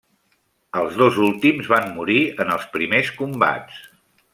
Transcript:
Els dos últims van morir en els primers combats.